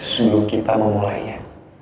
sebelum kita memulainya